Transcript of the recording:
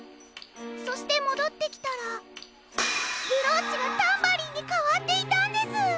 そしてもどってきたらブローチがタンバリンにかわっていたんです！